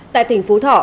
tại tỉnh phú thỏ